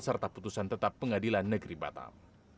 serta putusan tetap pengadilan negeri batam